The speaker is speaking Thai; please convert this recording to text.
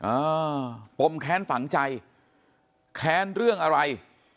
อ่าปมแค้นฝังใจแค้นเรื่องอะไร